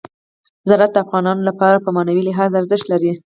زراعت د افغانانو لپاره په معنوي لحاظ ارزښت لري.